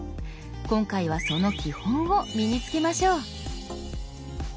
今回はその基本を身に付けましょう。